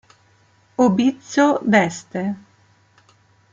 Obizzo d'Este